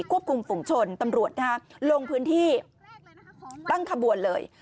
ควบคุมฝุงชนตำรวจลงพื้นที่ตั้งขบวนเลย